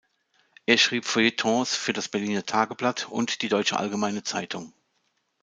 Er schrieb Feuilletons für das "Berliner Tageblatt" und die "Deutsche Allgemeine Zeitung".